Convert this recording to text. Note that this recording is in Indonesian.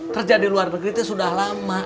kerja di luar negeri itu sudah lama